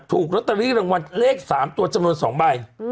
ถูกลอตเตอรี่รางวัลเลข๓ตัวจำนวน๒ใบ